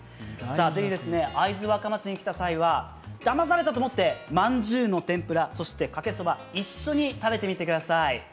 ぜひ会津若松に来た際はだまされたと思ってまんじゅうの天ぷら、そしてかけそば一緒に食べてみてください。